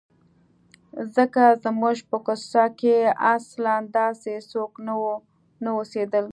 ځکه زموږ په کوڅه کې اصلاً داسې څوک نه اوسېدل.